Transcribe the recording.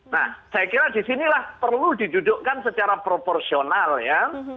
nah saya kira disinilah perlu didudukkan secara proporsional ya